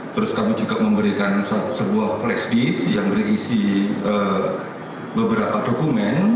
terus kami juga memberikan sebuah flashbask yang berisi beberapa dokumen